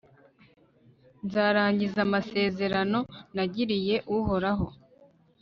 nzarangiza amasezerano nagiriye uhoraho